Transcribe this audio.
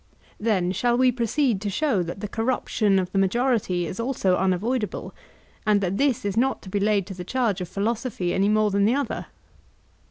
Then shall we proceed to show that the corruption of the majority is also unavoidable, and that this is not to be laid to the charge of philosophy any more than the other?